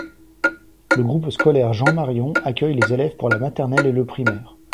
Le groupe scolaire Jean-Marion accueille les élèves pour la maternelle et le primaire.